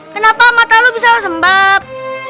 kenapa mata lo bisa sembab